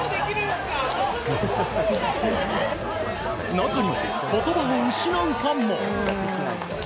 中には言葉を失うファンも。